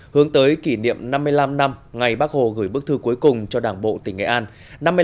hướng tới kỷ niệm năm mươi năm năm ngày bác hồ gửi bức thư cuối cùng cho đảng bộ tỉnh nghệ an